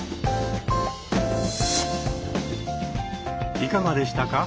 いかがでしたか？